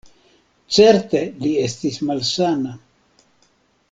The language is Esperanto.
Certe li estis malsana.